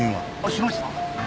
しました。